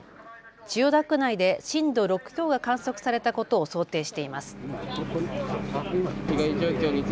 千代田区内で震度６強が観測されたことを想定しています。